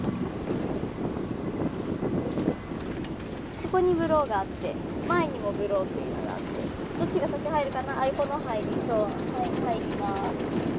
ここにブローがあって前にもブローっていうのがあってどっちが先入るかなあっ横の入りそうはい入ります。